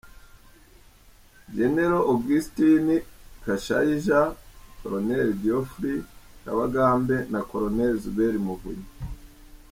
Gen. Augustin Kashaija, Col. Geoffrey Kabagambe na Col. Zuberi Muvunyi.